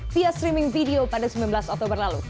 via streaming video pada sembilan belas oktober lalu